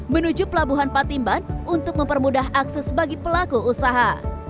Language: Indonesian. menuju pelabuhan patimban untuk mempermudah akses bagi pelaku usaha